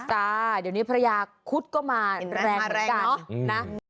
ค่ะเดี๋ยวนี้ภรรยาคุดก็มาแรงเหมือนกันนะ